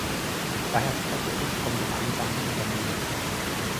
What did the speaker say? Daher spreche ich von gemeinsamen Unternehmen.